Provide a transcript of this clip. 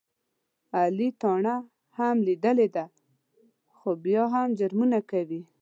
علي تاڼه هم لیدلې ده، خو بیا هم جرمونه کوي.